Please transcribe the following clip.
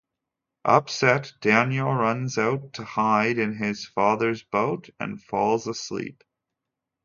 Upset, Daniel runs out to hide in his father's boat and falls asleep.